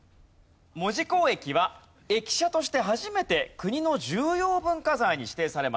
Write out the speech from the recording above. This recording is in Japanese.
門司港駅は駅舎として初めて国の重要文化財に指定されました。